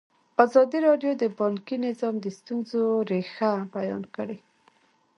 ازادي راډیو د بانکي نظام د ستونزو رېښه بیان کړې.